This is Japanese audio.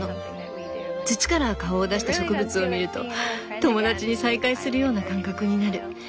土から顔を出した植物を見ると友達に再会するような感覚になる。